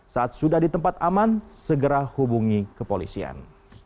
saat sudah di tempat aman segera hubungi ke polisian